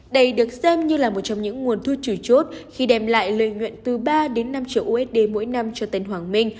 đây được xem như là một trong những nguồn thu chủ chốt khi đem lại lời nguyện từ ba năm triệu usd mỗi năm cho tân hoàng minh